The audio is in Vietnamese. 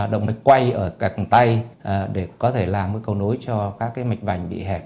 đồng mạch quay ở gạch tay để có thể làm cái cầu nối cho các cái mạch vành bị hẹp